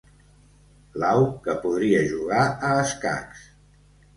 L'au que podria jugar a escacs.